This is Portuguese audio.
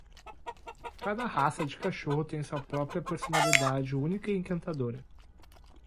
Cada raça de cachorro tem sua própria personalidade única e encantadora.